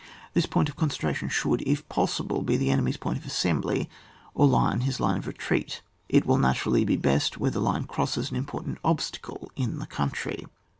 This poiut of concentration should, if possible, be the enemy's point of assembly, or lie on his line of retreat, it will naturally be best where that line crosses an important ob stacle in the country.